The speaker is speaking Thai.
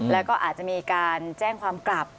แล้วก็อาจจะมีการแจ้งความกลับ